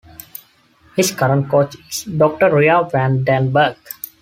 His current coach is Doctor Ria van den Berg.